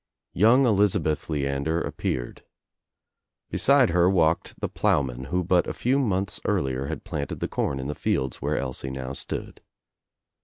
Young Elizabeth Leander appeared. Beside her walked the ploughman who but a few months earlier had planted the corn in the field where Elsie now stood.